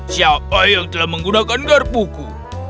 siapa yang telah menggunakan garpuku